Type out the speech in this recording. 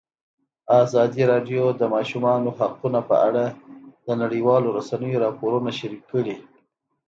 ازادي راډیو د د ماشومانو حقونه په اړه د نړیوالو رسنیو راپورونه شریک کړي.